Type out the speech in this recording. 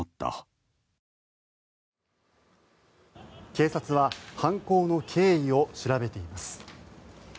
警察は犯行の経緯を調べています。